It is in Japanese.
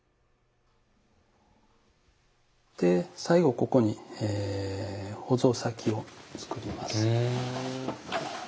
で最後ここにほぞ先を作ります。